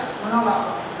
oke bapak menolak